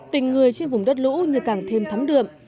tình người trên vùng đất lũ như càng thêm thắm đượm